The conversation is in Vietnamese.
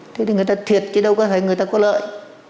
thế thì người ta thiệt chứ đâu có phải người ta có lợi